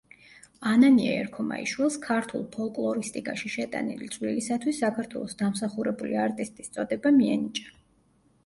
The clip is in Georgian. ანანია ერქომაიშვილს ქართულ ფოლკლორისტიკაში შეტანილი წვლილისათვის საქართველოს დამსახურებული არტისტის წოდება მიენიჭა.